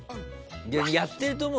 やってると思う？